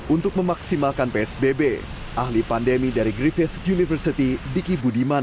untuk memaksimalkan psbb ahli pandemi dari griffith university diki budiman